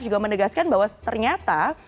juga menegaskan bahwa ternyata